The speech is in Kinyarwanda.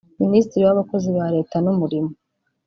Minisitiri w’abakozi ba Leta n’Umurimo